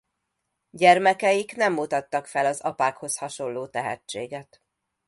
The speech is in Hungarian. Gyermekeik nem mutattak fel az apákhoz hasonló tehetséget.